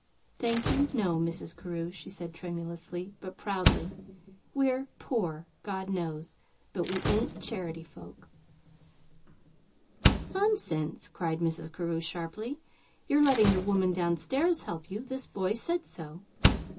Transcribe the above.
"Thank you, no, Mrs. Carew," she said tremulously, but proudly. "We're poor God knows; but we ain't charity folks." "Nonsense!" cried Mrs. Carew, sharply. "You're letting the woman down stairs help you. This boy said so."